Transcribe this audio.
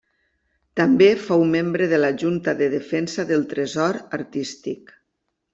També fou membre de la Junta de Defensa del Tresor Artístic.